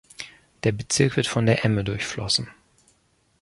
Der Bezirk wird von der Emme durchflossen.